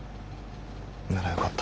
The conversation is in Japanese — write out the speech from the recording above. ならよかった。